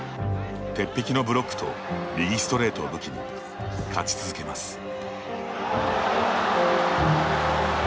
鉄壁のブロックと右ストレートを武器に勝ち続けます。